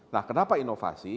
nah kenapa inovasi